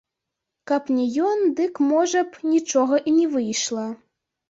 Каб не ён, дык, можа б, нічога і не выйшла.